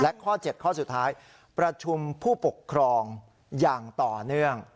และข้อ๗ข้อสุดท้ายประชุมผู้ปกครองอย่างต่อเนื่อง